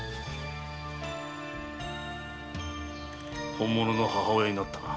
本物の母親になったな。